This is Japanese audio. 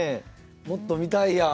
もっと見たいやん。